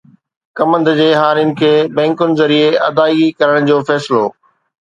ڪمند جي هارين کي بئنڪن ذريعي ادائيگي ڪرڻ جو فيصلو